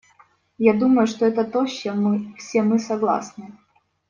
Я думаю, что это то, с чем все мы согласны.